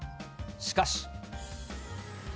しかし。